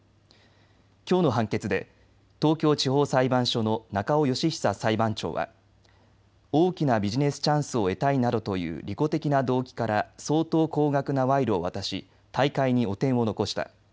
きょうの判決で東京地方裁判所の中尾佳久裁判長は大きなビジネスチャンスを得たいなどという利己的な動機から相当高額な賄賂を渡し大会に汚点を残した。